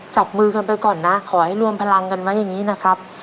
จับมือกันไปก่อนนะขอให้รวมพลังกันไว้อย่างนี้นะครับ